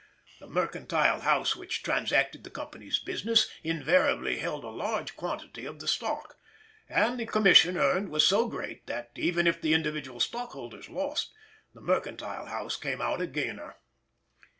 The mercantile house which transacted the company's business invariably held a large quantity of the stock, and the commission earned was so great that, even if the individual stockholders lost, the mercantile house came out a gainer.